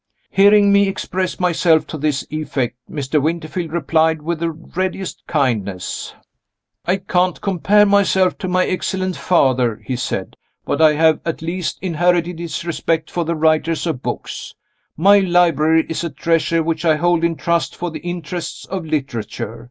Hearing me express myself to this effect, Mr. Winterfield replied with the readiest kindness: "I can't compare myself to my excellent father," he said; "but I have at least inherited his respect for the writers of books. My library is a treasure which I hold in trust for the interests of literature.